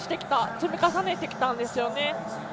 積み重ねてきたんですよね。